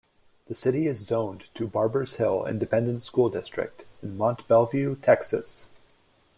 The city is zoned to Barbers Hill Independent School District in Mont Belvieu, Texas.